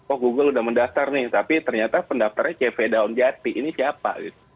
oh google udah mendaftar nih tapi ternyata pendaftarnya cv daun jati ini siapa